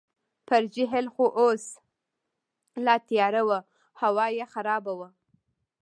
پر جهیل خو اوس لا تیاره وه، هوا یې خرابه وه.